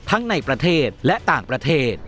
ทั้งในประเทศและต่างประเทศ